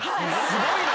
すごいな。